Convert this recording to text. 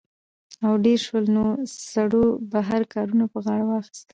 او ډېر شول؛ نو سړو بهر کارونه په غاړه واخىستل